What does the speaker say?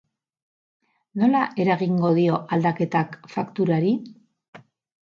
Nola eragingo dio aldaketak fakturari?